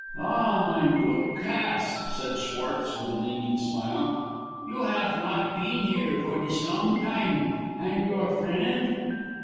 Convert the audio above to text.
"Ah, mine goot Cass," said Schwartz, with a beaming smile, "you haf not peen here for dis long time. And your frend?"